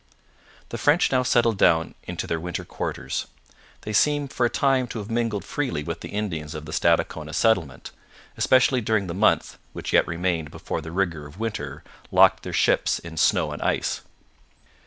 The French now settled down into their winter quarters. They seem for some time to have mingled freely with the Indians of the Stadacona settlement, especially during the month which yet remained before the rigour of winter locked their ships in snow and ice.